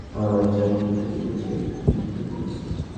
আমার বাচ্চা আমার মুখের দিকে চেয়ে মৃত পড়ে ছিল।